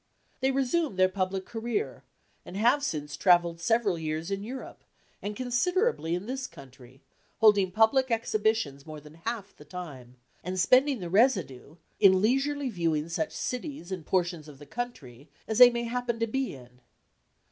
They resumed their public career, and have since travelled several years in Europe, and considerably in this country, holding public exhibitions more than half the time, and spending the residue in leisurely viewing such cities and portions of the country as they may happen to be in.